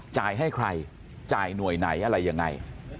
จ่ายให้ใครจ่ายหน่วยไหนอะไรยังไง